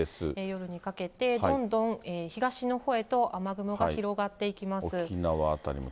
夜にかけてどんどん東のほうへと雨雲が広がっていきます。